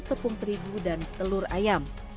tepung terigu dan telur ayam